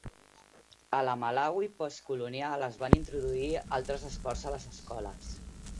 A la Malawi postcolonial, es van introduir altres esports a les escoles.